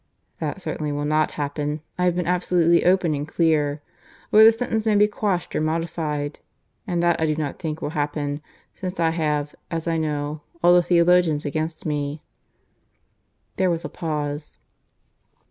(That certainly will not happen. I have been absolutely open and clear.) Or the sentence may be quashed or modified. And that I do not think will happen, since I have, as I know, all the theologians against me." There was a pause.